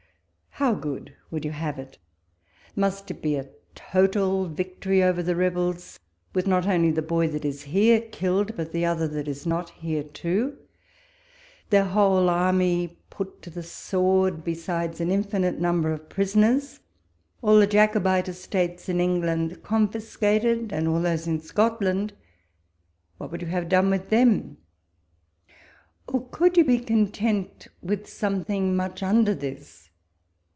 How good would you have it ? must it be a total victory over the rebels ; with not only the Boy, that is here, killed, but the other, that is not here, too ; their whole army put to the sword, besides an infinite number of prisoners ; all the Jacobite estates in England confiscated, and all those in Scotland— Avhat would you have done with them ?— or could you be content with something much under this